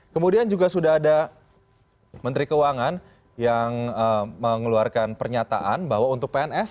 kemudian juga sudah ada menteri keuangan yang mengeluarkan pernyataan bahwa untuk pns